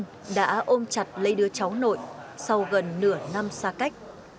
trấn yên đã ôm chặt lấy đứa cháu nội sau gần nửa năm xa cách